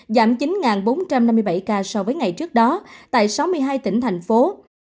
giảm chín bốn trăm năm mươi bảy ca so với ngày trước đó tại sáu mươi hai tỉnh thành phố